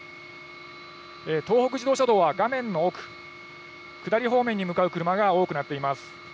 東北自動車道は画面の奥、下り方面に向かう車が多くなっています。